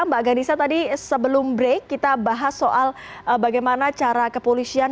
mbak ghanisa tadi sebelum break kita bahas soal bagaimana cara kepolisian